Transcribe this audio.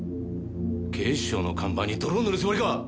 警視庁の看板に泥を塗るつもりか！